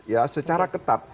ya secara ketat